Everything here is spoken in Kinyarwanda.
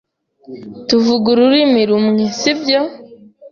Tuvuga ururimi rumwe, si byo?